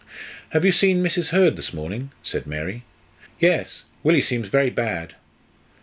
"Have you seen Mrs. Hurd this morning?" said Mary. "Yes, Willie seems very bad."